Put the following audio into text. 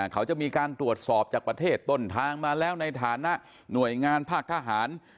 เขาจะมีการตรวจสอบจากประเทศต้นทางมาแล้วในฐานะหน่วยงานภาคทหาร